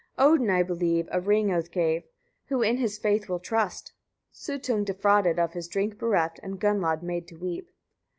111. Odin, I believe, a ring oath gave. Who in his faith will trust? Suttung defrauded, of his drink bereft, and Gunnlod made to weep!